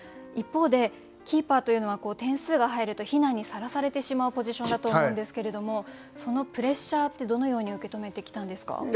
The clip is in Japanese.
一方でキーパーというのは点数が入ると非難にさらされてしまうポジションだと思うんですけれどもそのプレッシャーってどのように受け止めてきたんですか？